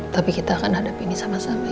tapi kita akan hadapi ini sama sama